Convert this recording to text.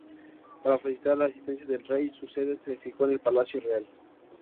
Para facilitar la asistencia del rey, su sede se fijó en el Palacio real.